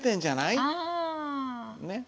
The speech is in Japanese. ねっ。